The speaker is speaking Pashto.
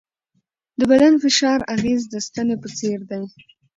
د بدن فشار اغېز د ستنې په څېر دی.